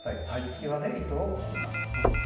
きわで糸を切ります。